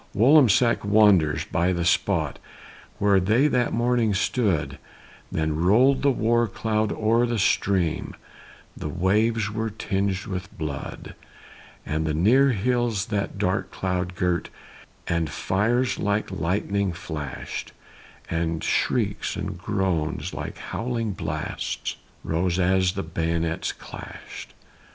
Wollamsac wanders by the spot Where they that morning stood; Then roll'd the war cloud o'er the stream, The waves were tinged with blood; And the near hills that dark cloud girt, And fires like lightning flash'd, And shrieks and groans, like howling blasts, Rose as the bayonets clash'd.